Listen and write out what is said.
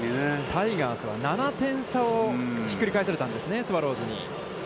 タイガースは７点差をひっくり返されたんですよね、スワローズに。